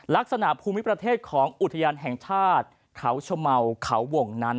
ภูมิประเทศของอุทยานแห่งชาติเขาชะเมาเขาวงนั้น